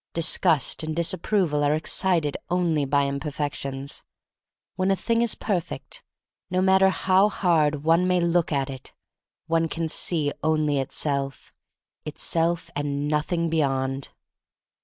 Disgust and disapproval are excited only by imperfections. When a thing is perfect, no matter how hard one may look at it, one can see only itself — it self, and nothing beyond.